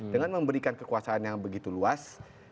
dengan memberikan kekuasaan yang begitu luas